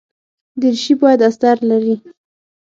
دریشي باید استر لري.